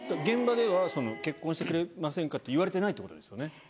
現場では「結婚してくれませんか？」って言われてないってことですよね。